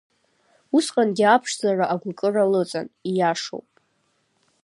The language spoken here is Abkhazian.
Усҟангьы аԥшӡара агәыкыра лыҵан, ииашоуп.